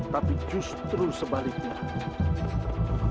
tapi justru sebaliknya